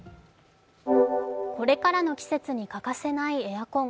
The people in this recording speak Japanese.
これからの季節に欠かせないエアコン。